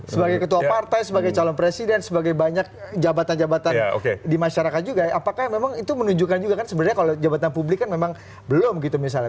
sebagai ketua partai sebagai calon presiden sebagai banyak jabatan jabatan di masyarakat juga apakah memang itu menunjukkan juga kan sebenarnya kalau jabatan publik kan memang belum gitu misalnya